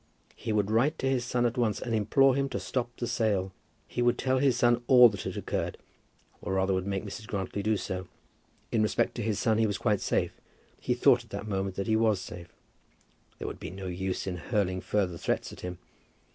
He would write to his son at once and implore him to stop the sale. He would tell his son all that had occurred, or rather would make Mrs. Grantly do so. In respect to his son he was quite safe. He thought at that moment that he was safe. There would be no use in hurling further threats at him.